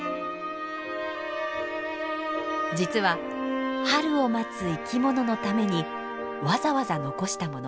実は春を待つ生き物のためにわざわざ残したもの。